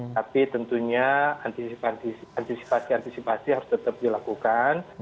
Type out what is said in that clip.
tapi tentunya antisipasi antisipasi harus tetap dilakukan